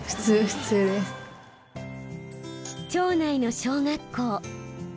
町内の小学校。